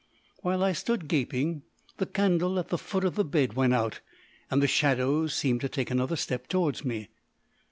While I stood gaping, the candle at the foot of the bed went out, and the shadows seemed to take another step towards me.